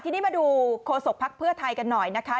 ทีนี้มาดูโคศกภักดิ์เพื่อไทยกันหน่อยนะคะ